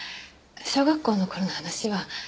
小学校の頃の話は。